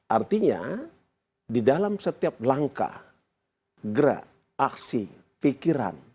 artinya di dalam setiap langkah gerak aksi pikiran